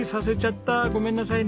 ごめんなさいね。